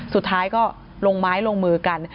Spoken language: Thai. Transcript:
สุดท้ายก็ลงไม้ลงมือกัน